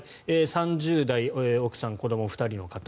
３０代、奥さん子ども２人の方。